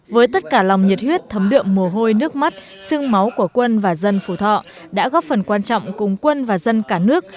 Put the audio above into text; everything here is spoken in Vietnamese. với tất cả lòng nhiệt huyết thấm đượm mồ hôi nước mắt xương máu của quân và dân phú thọ đã góp phần quan trọng cùng quân và dân cả nước